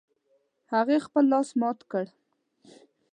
هغې خپل لاس مات کړ